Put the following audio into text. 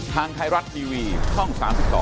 ทางไทยรัฐทีวีช่อง๓๒